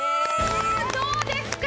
どうですか？